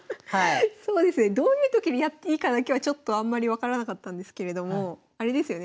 そうですねどういう時にやっていいかだけはちょっとあんまり分からなかったんですけれどもあれですよね